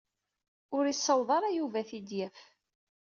Ur isaweḍ ara Yuba ad t-id-yaf.